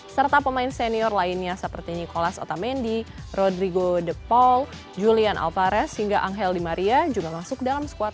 serta pemain senior lainnya seperti nikolas otamendi rodrigo the paul julian alvares hingga angel di maria juga masuk dalam squad